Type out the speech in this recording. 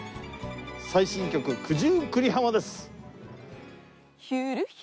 最新曲『九十九里浜』です。